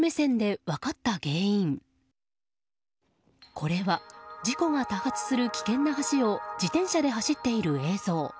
これは事故が多発する危険な橋を自転車で走っている映像。